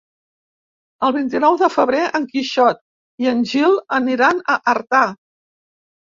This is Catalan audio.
El vint-i-nou de febrer en Quixot i en Gil aniran a Artà.